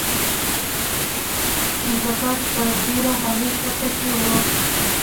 انضباط په ډېره عالي سطح کې وه.